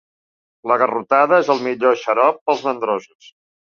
La garrotada és el millor xarop per als mandrosos.